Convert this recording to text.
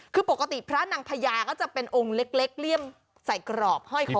คือปกติพระนางพญาก็จะเป็นองค์เล็กเลี่ยมใส่กรอบห้อยคอ